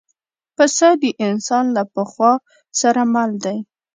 پسه د انسان له پخوا سره مل دی.